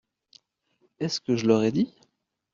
Est-ce que je leur ai dit ?…